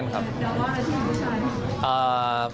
เดาว่าอะไรที่มีผู้ชายครับ